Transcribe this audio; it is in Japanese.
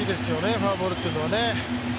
フォアボールっていうのはね。